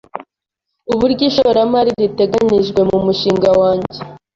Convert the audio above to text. uburyo ishoramari riteganijwe mu mushinga wanjye